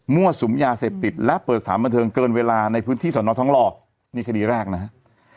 สุมยาเสพติดและเปิดสถานบันเทิงเกินเวลาในพื้นที่สอนอทองหล่อนี่คดีแรกนะครับ